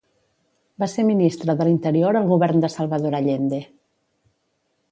Va ser ministre de l'interior al govern de Salvador Allende.